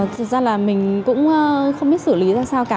thực ra là mình cũng không biết xử lý ra sao cả